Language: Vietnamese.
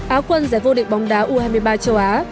áo quân giải vô địch bóng đá u hai mươi ba châu á